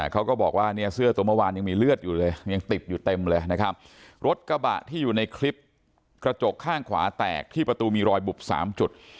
เขาก็บอกว่าเนี่ยเสื้อตัวเมื่อวานยังมีเลือดอยู่เลยยังติดอยู่เต็มเลยนะครับรถกระบะที่อยู่ในคลิปกระจกข้างขวาแตกที่ประตูมีรอยบุบสามจุด